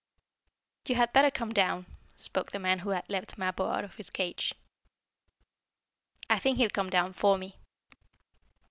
"You had better come down," spoke the man who had let Mappo out of the cage. "I think he'll come down for me."